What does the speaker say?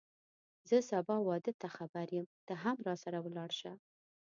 زه سبا واده ته خبر یم ته هم راسره ولاړ شه